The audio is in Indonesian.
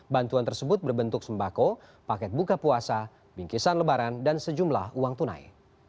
bantuan tersebut berbentuk sembako paket buka puasa bingkisan lebaran dan sejumlah uang tunai